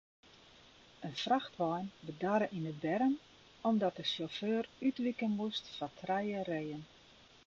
In frachtwein bedarre yn de berm omdat de sjauffeur útwike moast foar trije reeën.